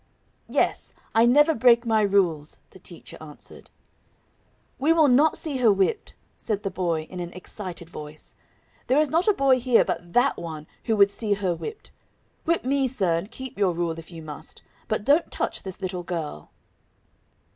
"Yes; I never break my rules!" the teacher answered. "We will not see her whipped!" said the boy in an excited voice; "there is not a boy here but that one, who would see her whipped! Whip me, sir, and keep your rule, if you must, but don't touch this little girl!"